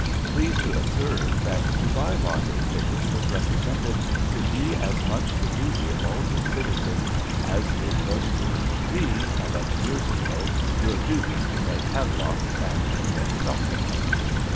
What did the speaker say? Please to observe that to buy lottery tickets was represented to be as much the duty of all good citizens, as it was proved to be, eleven years ago, your duty to make Havelocks and to knit stockings.